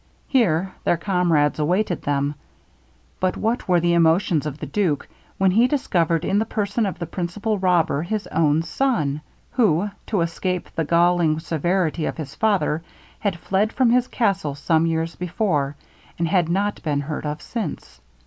Here their comrades awaited them; but what were the emotions of the duke, when he discovered in the person of the principal robber his own son! who, to escape the galling severity of his father, had fled from his castle some years before, and had not been heard of since.